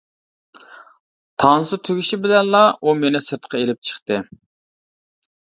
تانسا تۈگىشى بىلەنلا ئۇ مېنى سىرتقا ئېلىپ چىقتى.